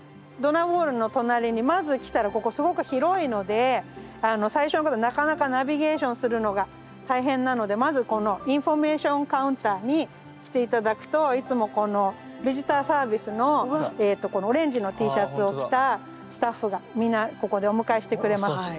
ドナーウォールの隣にまず来たらここすごく広いので最初のなかなかナビゲーションするのが大変なのでまずこのインフォメーションカウンターに来て頂くといつもこのビジターサービスのこのオレンジのＴシャツを着たスタッフが皆ここでお迎えしてくれます。